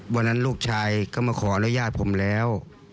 วันนั้นลูกชายก็มาขออนุญาตผมแล้ว